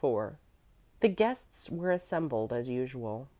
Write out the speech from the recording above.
IV The guests were assembled as usual.